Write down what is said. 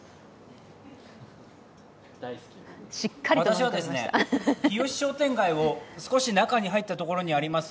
私は日吉商店街を少し中に入ったところにあります